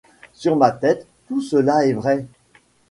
Sur ma tête, tout cela est vrai.